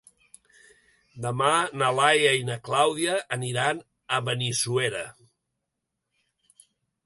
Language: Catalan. Demà na Laia i na Clàudia aniran a Benissuera.